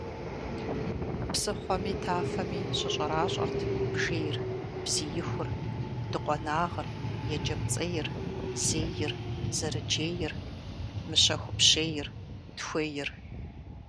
Псыхъуэми тафэми щыщӀэращӀэрт бжейр, бзиихур, дыкъуэнагъыр, екӀэпцӀейр, зейр, зэрыджейр, мыщэхупщейр, тхуейр.